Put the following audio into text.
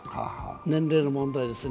年齢の問題ですよね。